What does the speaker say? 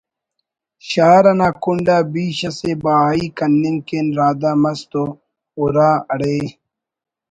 شار انا کنڈ آ بیش اسے بہائی کننگ کن رادہ مس تو ہُرا …… اڑے